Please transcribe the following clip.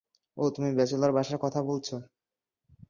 ওহ, তুমি ব্যাচেলর বাসার কথা বলছো?